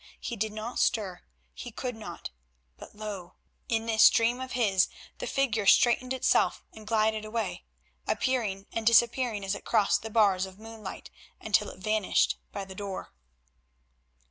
He did not stir, he could not, but lo! in this dream of his the figure straightened itself and glided away, appearing and disappearing as it crossed the bars of moonlight until it vanished by the door.